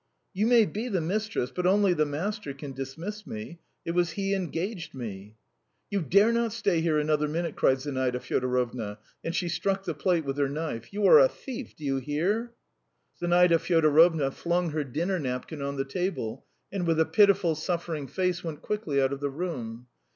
"You may be the mistress, but only the master can dismiss me. It was he engaged me." "You dare not stay here another minute!" cried Zinaida Fyodorovna, and she struck the plate with her knife. "You are a thief! Do you hear?" Zinaida Fyodorovna flung her dinner napkin on the table, and with a pitiful, suffering face, went quickly out of the room.